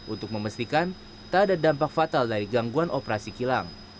untuk memastikan tak ada dampak fatal dari gangguan operasi kilang